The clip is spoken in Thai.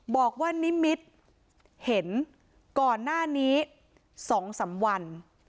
บอกว่านิมิตรเห็นก่อนหน้านี้๒๓วัน